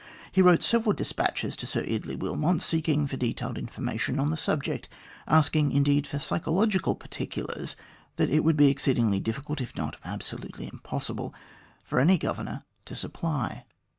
He wrote several despatches to Sir Eardley Wilmot, seeking for detailed information on the subject asking, indeed, for psychological particulars that it would be exceedingly difficult, if not absolutely impossible, for any Governor to supply.